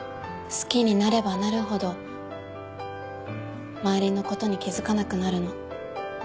好きになればなるほど周りのことに気付かなくなるの